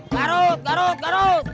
garut garut garut